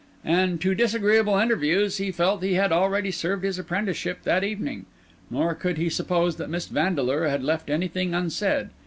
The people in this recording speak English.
And to disagreeable interviews he felt he had already served his apprenticeship that evening; nor could he suppose that Miss Vandeleur had left anything unsaid.